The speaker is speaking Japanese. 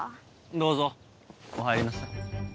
どうぞお入りなさい。